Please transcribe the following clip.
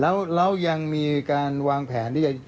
แล้วยังมีการวางแผนที่จะ